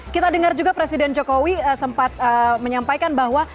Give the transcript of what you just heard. kita dengar juga presiden jokowi sempat menyampaikan bahwa